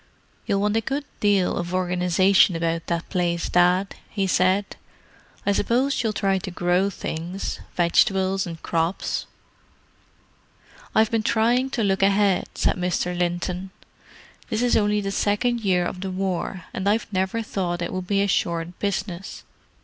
"You'll want a good deal of organization about that place, Dad," he said. "I suppose you'll try to grow things—vegetables and crops?" "I've been trying to look ahead," said Mr. Linton. "This is only the second year of the War, and I've never thought it would be a short business.